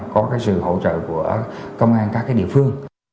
có cái sự hỗ trợ của công an các cái địa phương